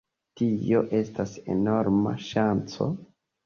Tio estas enorma ŝanco.